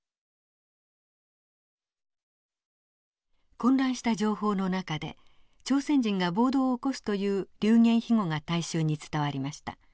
混乱した情報の中で「朝鮮人が暴動を起こす」という流言飛語が大衆に伝わりました。